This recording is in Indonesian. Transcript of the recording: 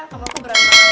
kamu aku berantem antem